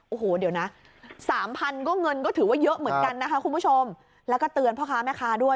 โอ้โหเดี๋ยวนะสามพันก็เงินก็ถือว่าเยอะเหมือนกันนะคะคุณผู้ชมแล้วก็เตือนพ่อค้าแม่ค้าด้วย